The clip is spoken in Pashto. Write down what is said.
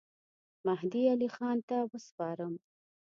مهدي علي خان ته وسپارم.